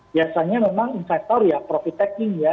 biasanya memang investor ya profit taking ya